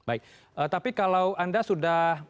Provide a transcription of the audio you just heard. baik tapi kalau anda sudah